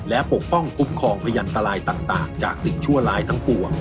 และปกป้องคุ้มครองพยันตรายต่างจากสิ่งชั่วร้ายทั้งปวง